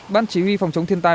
ban chỉ huy phòng chống thiên tai